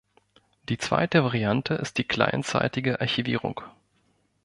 Die zweite Variante ist die clientseitige Archivierung.